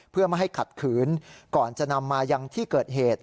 เพื่อไม่ให้ขัดขืนก่อนจะนำมายังที่เกิดเหตุ